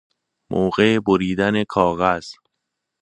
موقع بریدن کاغذ